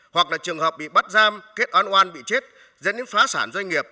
hoặc là trường hợp bị bắt giam kết on oan bị chết dẫn đến phá sản doanh nghiệp